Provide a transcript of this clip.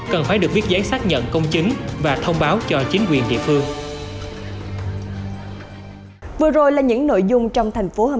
cần phải được viết giấy xác nhận công chính và thông báo cho chính quyền địa phương